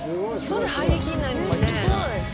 まだ入り切んないもんね。